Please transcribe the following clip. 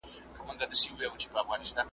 مګر کله چي د څه باندي اویا کالو ,